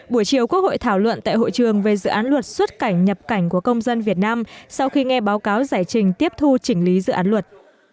buổi chiều quốc hội thảo luận tại hội trường về dự án luật xuất cảnh nhập cảnh của công dân việt nam sau khi nghe báo cáo giải trình tiếp thu chỉnh lý dự án luật